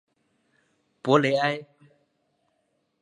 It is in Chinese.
博雷埃。